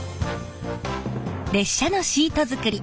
列車のシート作り